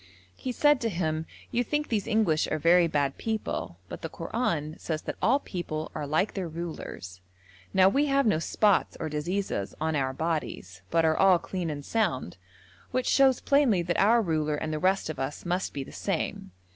He said to him: 'You think these English are very bad people, but the Koran says that all people are like their rulers; now we have no spots or diseases on our bodies, but are all clean and sound, which shows plainly that our ruler and the rest of us must be the same.